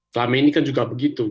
selama ini kan juga begitu